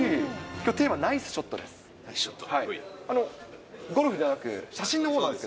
きょう、テーマ、ナイスショットです。